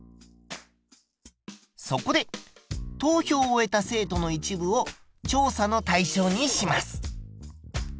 そこで投票を終えた生徒の一部を調査の対象にします。